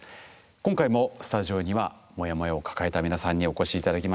今回もスタジオにはモヤモヤを抱えた皆さんにお越し頂きました。